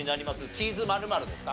チーズ○○ですか？